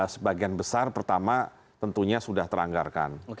sebagian besar pertama tentunya sudah teranggarkan